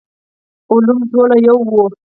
علوم ټول يو وو.